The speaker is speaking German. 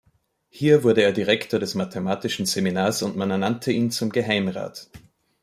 Hier wurde er Direktor des mathematischen Seminars und man ernannte ihn zum Geheimrat.